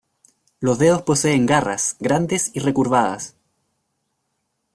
Los dedos poseen garras grandes y recurvadas.